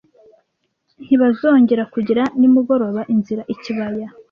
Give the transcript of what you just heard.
ntibazongera kugira nimugoroba inzira ikibaya